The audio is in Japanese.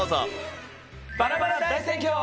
バラバラ大選挙！